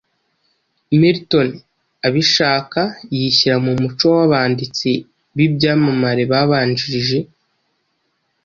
Milton abishaka yishyira mu muco w'abanditsi b'ibyamamare babanjirije,